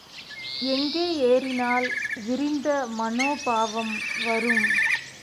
எங்கே ஏறினால் விரிந்த மனோபாவம் வரும்?